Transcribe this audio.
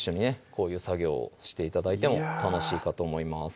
こういう作業をして頂いても楽しいかと思います